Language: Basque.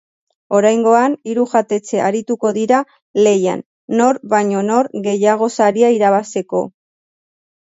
Oraingoan, hiru jatetxe arituko dira lehian nor baino nor gehiago saria irabatzeko.